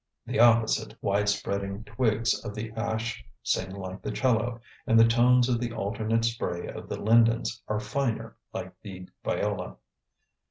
The opposite, widespreading twigs of the ash sing like the cello, and the tones of the alternate spray of the lindens are finer, like the viola.